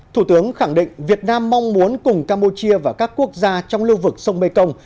thủ tướng khẳng định việt nam mong muốn cùng campuchia và các quốc gia trong lưu vực sông mekong